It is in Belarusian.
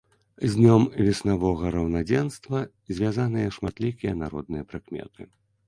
З днём веснавога раўнадзенства звязаныя шматлікія народныя прыметы.